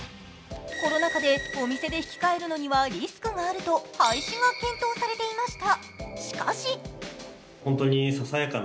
コロナ禍でお店で引き換えるのにはリスクがあると廃止が検討されていました。